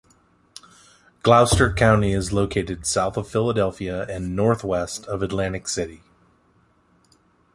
Gloucester County is located south of Philadelphia and northwest of Atlantic City.